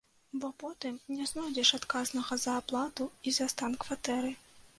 Бо потым не знойдзеш адказнага за аплату і за стан кватэры.